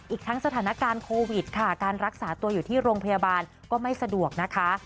อีกทั้งสถานการณ์โควิดค่ะการรักษาตัวอยู่ที่โรงพยาบาลก็ไม่สะดวกนะคะ